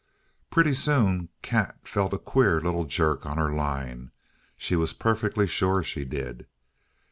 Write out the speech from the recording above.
Pretty soon Kat felt a queer little jerk on her line. She was perfectly sure she did.